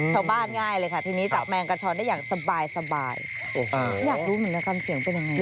ง่ายเลยค่ะทีนี้จับแมงกระชอนได้อย่างสบายอยากรู้เหมือนกันเสียงเป็นยังไง